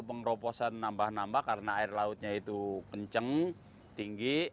pengeroposan nambah nambah karena air lautnya itu kenceng tinggi